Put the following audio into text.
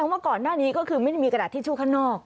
เนี่ยก่อนตอนนี้ก็คือไม่มีกระดาษทิชชูข้างนอก